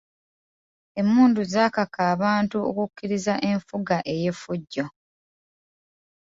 Emmundu zaakaka abantu okukkiriza enfuga ey’effujjo.